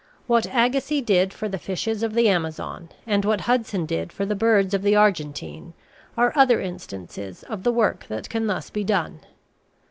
What Agassiz did for the fishes of the Amazon and what Hudson did for the birds of the Argentine are other instances of the work that can thus be done.